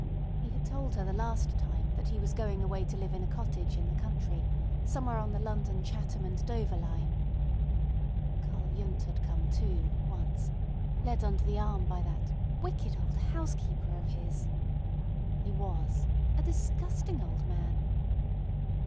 He had told her the last time that he was going away to live in a cottage in the country, somewhere on the London, Chatham, and Dover line. Karl Yundt had come too, once, led under the arm by that "wicked old housekeeper of his." He was "a disgusting old man."